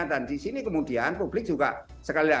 dan di sini kemudian publik juga sekali lagi harus melakukan perbaikan